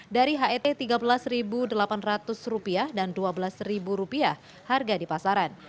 dari het rp tiga belas delapan ratus dan rp dua belas harga di pasaran